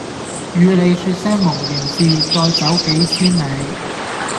與你說些無聊事再走幾千里